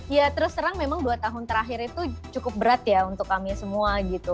ya terus terang memang dua tahun terakhir itu cukup berat ya untuk kami semua gitu